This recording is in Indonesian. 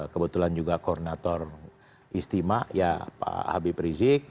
kebetulan juga koordinator istimewa ya pak habib rizik